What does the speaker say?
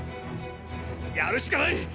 やるしかない！